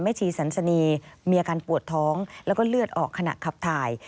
ชีสันสนีมีอาการปวดท้องแล้วก็เลือดออกขณะขับถ่าย